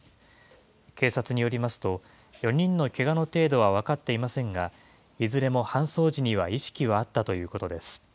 警察によりますと、４人のけがの程度は分かっていませんが、いずれも搬送時には意識はあったということです。